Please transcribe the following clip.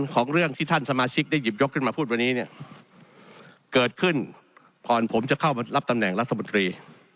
ของเรื่องที่ท่านสมาชิกได้หยิบยกขึ้นมาพูดวันนี้เนี่ยเกิดขึ้นก่อนผมจะเข้ารับตำแหน่งรัฐมนตรี